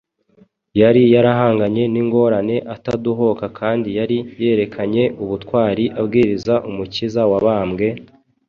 yari yarahanganye n’ingorane atadohoka kandi yari yarerekanye ubutwari abwiriza Umukiza wabambwe,